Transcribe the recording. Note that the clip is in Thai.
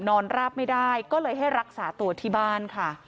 ราบไม่ได้ก็เลยให้รักษาตัวที่บ้านค่ะ